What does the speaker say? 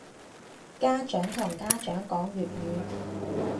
家長同家長講粵語